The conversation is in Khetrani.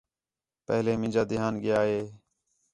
پہلے مینجا دھیان ڳِیا ہِے